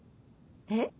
えっ？